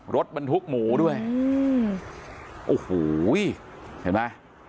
รถมันทุกข์หมู่ด้วยอือโอ้โหเห็นปะ